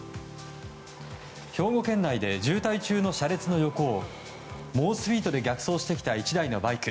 兵庫県内で、渋滞中の車列の横を猛スピードで逆走してきた１台のバイク。